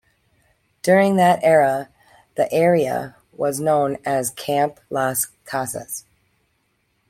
During that era, the area was known as "Camp Las Casas".